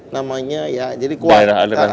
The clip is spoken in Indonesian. namanya ya jadi kuat